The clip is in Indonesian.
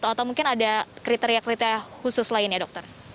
atau mungkin ada kriteria kriteria khusus lain ya dokter